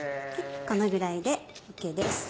このぐらいでＯＫです。